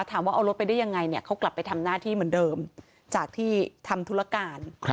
ถามว่าเอารถไปได้ยังไงเนี่ยเขากลับไปทำหน้าที่เหมือนเดิมจากที่ทำธุรการ